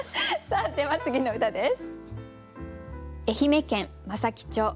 では次の歌です。